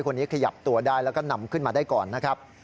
ขยับตัวได้แล้วก็นำขึ้นมาได้ก่อนนะครับ